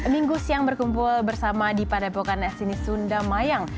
minggu siang berkumpul bersama di padepokan s ini sunda mayang